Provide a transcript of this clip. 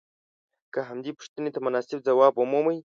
که همدې پوښتنې ته مناسب ځواب ومومئ.